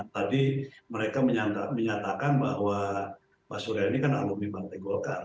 tadi mereka menyatakan bahwa pak surya ini kan alumni partai golkar